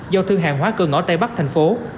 giao thương hàng hóa cơ ngõ tây bắc thành phố